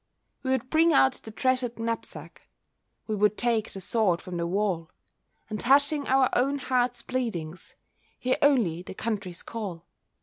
We would bring out the treasured knapsack, We would take the sword from the wall, And hushing our own hearts' pleadings, Hear only the country's call.